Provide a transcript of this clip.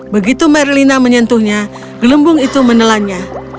begitu merlina menyentuhnya gelembung itu menelannya